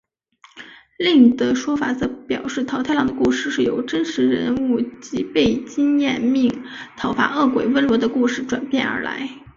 另一则说法则表示桃太郎的故事是由真实人物吉备津彦命讨伐恶鬼温罗的故事转变而来。